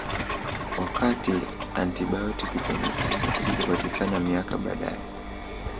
Wakati antibaotiki penicillin ilipopatikana miaka baadae